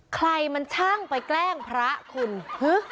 ใครมันช่างไปแกล้งพระคุณ